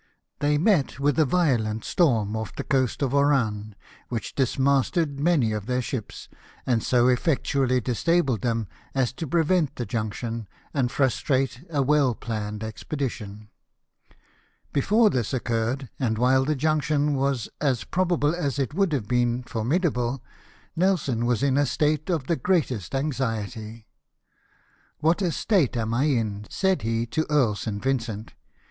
They met with a violent storm off the coast of Oran, which dismasted many of their ships, and so eflectually disabled them as to prevent the junction, and frustrate a well planned expedition. Before this occurred, and while the junction was as probable as it would have been formidable. Nelson was in a state of the greatest anxiety. " What a state am I in !" said he to Earl St. Vincent.